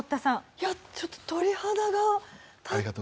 いやちょっと鳥肌が立って。